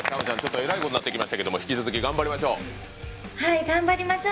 えらいことになってきましたけど頑張りましょう。